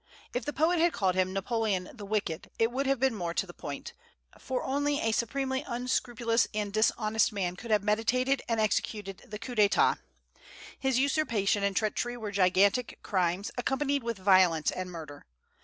If the poet had called him "Napoleon the Wicked" it would have been more to the point, for only a supremely unscrupulous and dishonest man could have meditated and executed the coup d'état. His usurpation and treachery were gigantic crimes, accompanied with violence and murder.